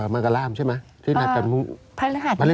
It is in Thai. มากับรามใช่ไหมพัฒนาหาร